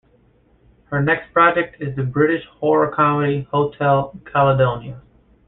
Her next project is the British horror-comedy "Hotel Caledonia".